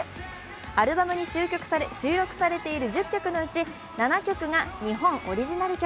アルバムに収録されている１０曲のうち７曲が日本オリジナル曲。